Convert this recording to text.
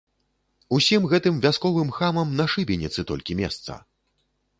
Усім гэтым вясковым хамам на шыбеніцы толькі месца!